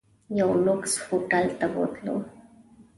یو لوکس هوټل ته بوتلو.